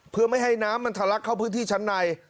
เพื่อไม่ให้น้ำมันทะลักเข้าพื้นที่ชั้นใน